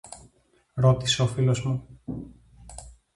ρώτησε ο φίλος μου.